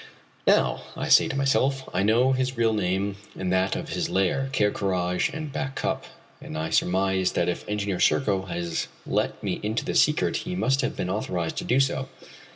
"Now," I say to myself, "I know his real name and that of his lair Ker Karraje and Back Cup;" and I surmise that if Engineer Serko has let me into the secret he must have been authorized to do so.